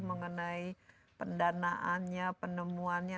mengenai pendanaannya penemuannya